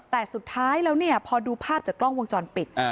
แต่สุดท้ายแล้วเนี่ยพอดูภาพจากกล้องวงจรปิด